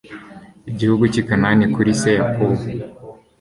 igihugu cy i kanani kuri se yakobo